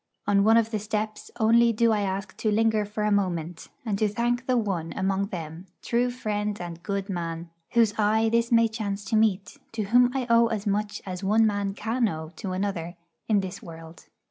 On one of the steps only do I ask to linger for a moment, and to thank the one among them, true friend and good man, whose eye this may chance to meet, to whom I owe as much as one man can owe to another in this world.